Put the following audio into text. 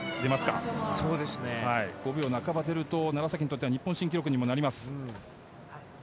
５秒半ばが出ると楢崎にとって日本新記録になります。